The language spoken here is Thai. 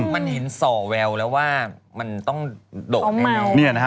มันเห็นส่อแววแล้วว่ามันต้องโดดแมว